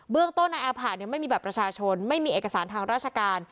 เบื้องต้นในอาผะไม่มีแบบประชาชนไม่มีเอกสารทางราชการ